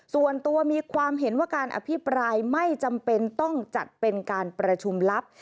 ส่วนตัวมีความเห็นว่าการอภิปรายไม่จำเป็นต้องจัดเป็นการประชุมลับ